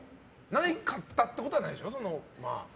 なかったってことはないでしょ。